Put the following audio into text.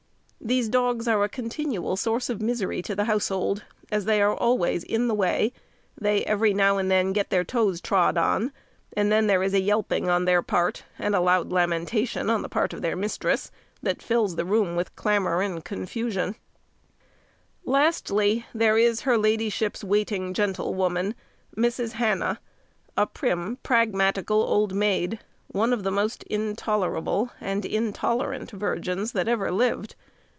These dogs are a continual source of misery to the household: as they are always in the way, they every now and then get their toes trod on, and then there is a yelping on their part, and a loud lamentation on the part of their mistress, that fills the room with clamour and confusion. [Illustration: Dignity and Impudence] Lastly, there is her ladyship's waiting gentlewoman, Mrs. Hannah, a prim, pragmatical old maid; one of the most intolerable and intolerant virgins that ever lived.